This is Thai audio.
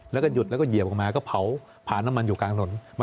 แล้วก็หยุดแล้วก็เหยียบออกมาก็เผาผ่านน้ำมันอยู่กลางถนน